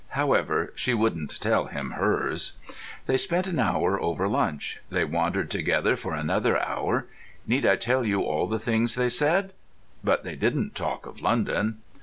However, she wouldn't tell him hers. They spent an hour over lunch. They wandered together for another hour. Need I tell you all the things they said? But they didn't talk of London.